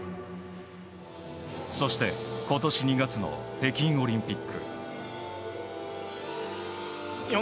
そして今年２月の北京オリンピック。